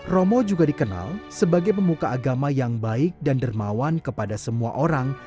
romo juga dikenal sebagai pemuka agama yang baik dan dermawan kepada semua orang